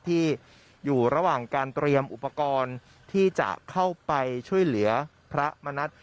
ที่อยู่ระหว่างการเตรียมอุปกรณ์ที่จะเข้าไปช่วยเหลือพระมณัฐ